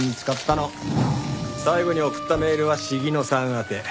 最後に送ったメールは鴫野さん宛て。